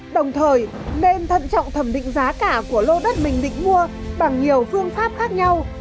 đồng thời nên thận trọng thẩm định giá cả của lô đất mình định mua bằng nhiều phương pháp khác nhau